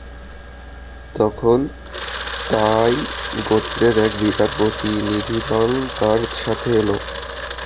তখন তাঈ গোত্রের এক বিরাট প্রতিনিধিদল তার সাথে এল।